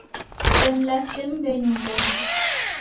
Kusemlase mbenyu ngonde!